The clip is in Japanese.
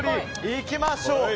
いきましょう。